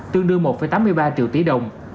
tương đương một tám mươi ba triệu tỷ đồng